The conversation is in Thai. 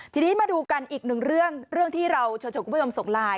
ทีนี้มาดูกันอีกหนึ่งเรื่องเรื่องที่เราเชิญชวนคุณผู้ชมส่งไลน์